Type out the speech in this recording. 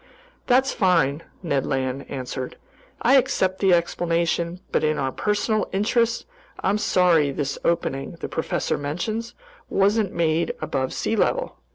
"That's fine," Ned Land answered. "I accept the explanation, but in our personal interests, I'm sorry this opening the professor mentions wasn't made above sea level."